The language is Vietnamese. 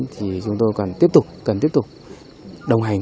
thì chúng tôi cần tiếp tục đồng hành